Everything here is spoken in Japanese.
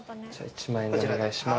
１万円でお願いします。